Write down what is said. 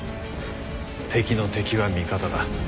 敵の敵は味方だ。